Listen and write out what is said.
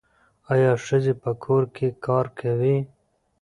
آیا ښځې په کور کې کار کوي؟